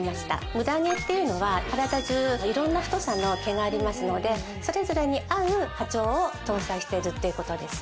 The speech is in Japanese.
ムダ毛っていうのは体じゅう色んな太さの毛がありますのでそれぞれに合う波長を搭載してるっていうことです